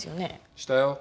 したよ。